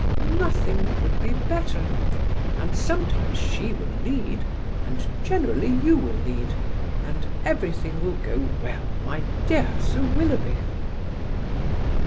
"Nothing could be better. And sometimes she will lead, and generally you will lead, and everything will go well, my dear Sir Willoughby."